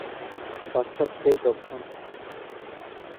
পাশ্চাত্যের দর্শন।